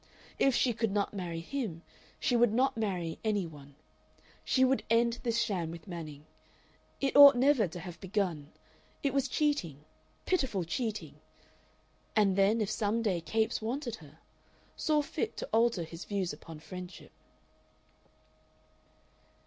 If she could not marry him, she would not marry any one. She would end this sham with Manning. It ought never to have begun. It was cheating, pitiful cheating. And then if some day Capes wanted her saw fit to alter his views upon friendship....